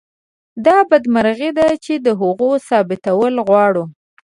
دا بدمرغي ده چې د هغو ثابتول غواړو.